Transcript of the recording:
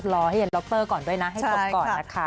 รอให้เย็นล็อกเตอร์ก่อนด้วยนะให้จบก่อนนะคะ